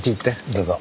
どうぞ。